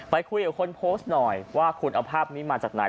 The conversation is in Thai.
ไปคุยกับคนโพสต์หน่อยว่าคุณเอาภาพนี้มาจากไหน